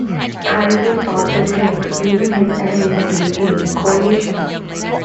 Taejo sought to bring even his enemies into his ruling coalition.